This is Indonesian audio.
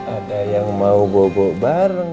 ada yang mau bobok bareng